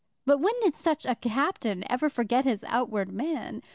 But when did such a Captain ever forget his outward man?